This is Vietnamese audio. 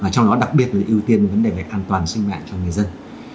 trong đó đặc biệt là ưu tiên vấn đề về an toàn sinh mạng cho người dân